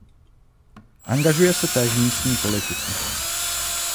Angažuje se též místní politice.